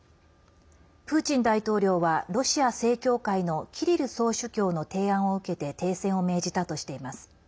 プーチン大統領はロシア正教会のキリル総主教の提案を受けて停戦を命じたとしています。